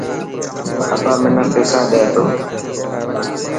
ابا منا پيسا ڏي تو.